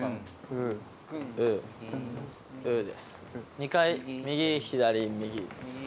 ２回右左右。